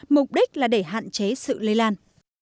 mục đích là để hạn chế sự lây lan